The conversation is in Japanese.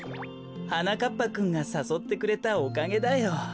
はなかっぱくんがさそってくれたおかげだよ。